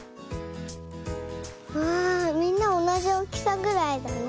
わあみんなおなじおおきさぐらいだね。